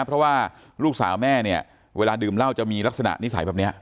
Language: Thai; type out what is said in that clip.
เพราะว่าลูกสาวแม่เนี่ยเวลาดื่มเหล้าจะมีลักษณะนิสัยแบบนี้